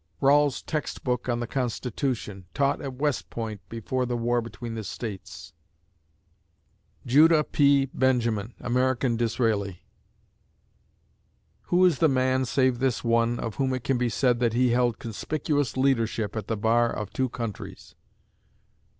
(Rawle's text book on the Constitution, taught at West Point before the War between the States) JUDAH P. BENJAMIN, AMERICAN DISRAELI Who is the man, save this one, of whom it can be said that he held conspicuous leadership at the bar of two countries?